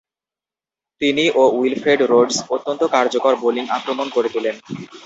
তিনি ও Wilfred Rhodes অত্যন্ত কার্যকর বোলিং আক্রমণ গড়ে তুলেন।